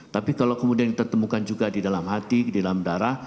tapi kalau kemudian kita temukan juga di dalam hati di dalam darah